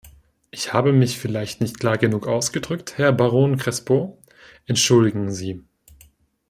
Ich habe mich vielleicht nicht klar genug ausgedrückt, Herr Baron Crespo, entschuldigen Sie.